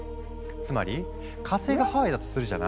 つまり火星がハワイだとするじゃない？